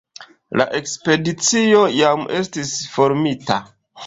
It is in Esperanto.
La ekspedicio jam estis formita.